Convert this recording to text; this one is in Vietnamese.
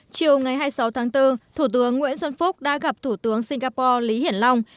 chiều ngày hai mươi sáu tháng bốn thủ tướng nguyễn xuân phúc đã gặp thủ tướng singapore lý hiển long